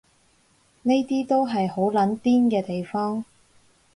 呢啲都係好撚癲嘅地方